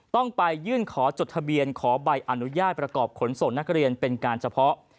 ต้องไปยื่นขอจดทะเบียนขอใบอนุญาตประกอบขนส่งนักเรียนเป็นการเฉพาะ